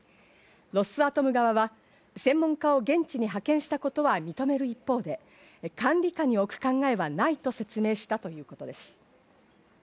ロスアトム側は専門家を現地に派遣したことは認める一方で、管理下に置く考えはないと説明したということです。